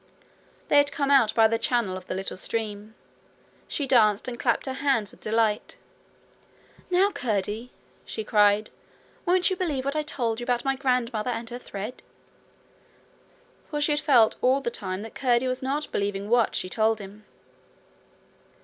They had come out by the channel of the little stream. She danced and clapped her hands with delight. 'Now, Curdie!' she cried, 'won't you believe what I told you about my grandmother and her thread?' For she had felt all the time that Curdie was not believing what she told him.